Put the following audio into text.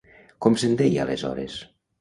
Com se'n deia aleshores?